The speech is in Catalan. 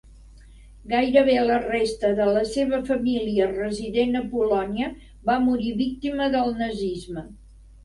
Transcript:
Gairebé la resta de la seva família resident a Polònia va morir víctima del nazisme.